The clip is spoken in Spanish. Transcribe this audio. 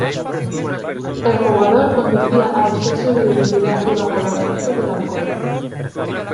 El jugador conducía a exceso de velocidad y bajo los efectos del alcohol.